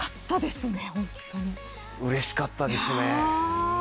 うれしかったですね。